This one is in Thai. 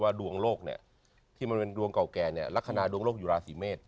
ดวงโลกเนี่ยที่มันเป็นดวงเก่าแก่เนี่ยลักษณะดวงโลกอยู่ราศีเมษ